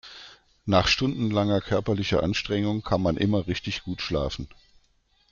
Nach stundenlanger körperlicher Anstrengung kann man immer richtig gut schlafen.